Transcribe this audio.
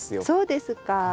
そうですか。